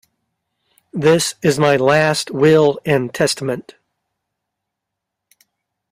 This is my last will and testament.